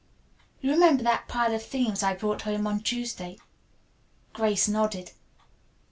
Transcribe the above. You remember that pile of themes I brought home on Tuesday?" Grace nodded.